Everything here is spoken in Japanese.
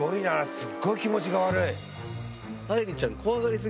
すごい気持ちが悪い。